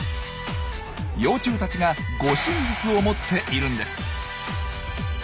幼虫たちが「護身術」を持っているんです。